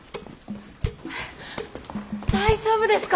大丈夫ですか！？